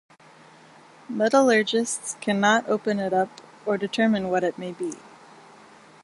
Metallurgists cannot open it up or determine what it may be.